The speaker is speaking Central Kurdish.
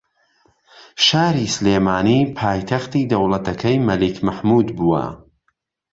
شاری سلێمانی پایتەختی دەوڵەتەکەی مەلیک مەحموود بووە